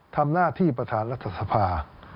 ทำหน้าที่ประธานรัฐสภา